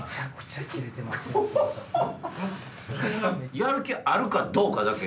やる気あるかどうかだけ！